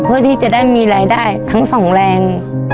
เพื่อที่จะได้มีรายได้ทั้งสองแรง